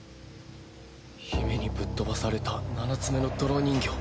姫にぶっ飛ばされた七つ眼の泥人形。